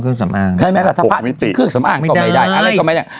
เครื่องสำอางใช่ไหมล่ะถ้าพระไม่ติดเครื่องสำอางก็ไม่ได้อะไรก็ไม่ได้